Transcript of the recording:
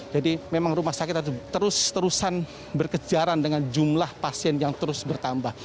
jadi memang rumah sakit harus terus terusan berkejaran dengan jumlah pasien yang terus bertambah